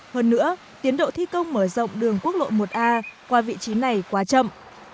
hơn nữa tiến độ thi công mở rộng đường quốc lộ một a qua vị trí này quá chậm